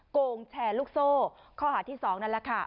โกงแชร์ลูกโซ่ข้อหาที่๒นั่นแหละค่ะ